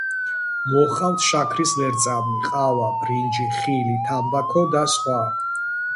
მოჰყავთ შაქრის ლერწამი, ყავა, ბრინჯი, ხილი, თამბაქო და სხვა.